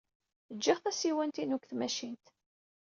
Jjiɣ tasiwant-inu deg tmacint.